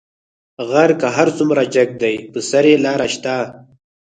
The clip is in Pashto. غر کۀ څومره جګ دى، پۀ سر يې لار شته.